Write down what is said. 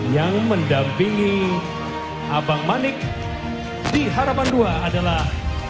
yang mendampingi abang manik di harapan dua adalah